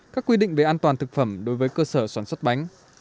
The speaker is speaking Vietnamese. các quy định về an toàn thực phẩm đối với cơ sở sản xuất bánh